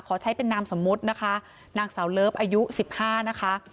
ขอใช้เป็นนามสมมุตินะคะนางสาวเลิฟอายุ๑๕นะคะ